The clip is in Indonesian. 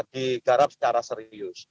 digarap secara serius